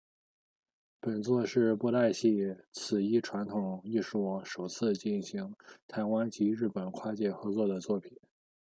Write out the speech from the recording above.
本作是布袋戏此一传统艺术首次进行台湾及日本跨界合作的作品。